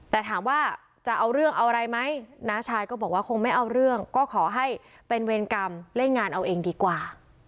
แต่ถามว่าจะเอาเรื่องเอาอะไรไหมน้าชายก็บอกว่าคงไม่เอาเรื่องก็ขอให้เป็นเวรกรรมเล่นงานเอาเองดีกว่า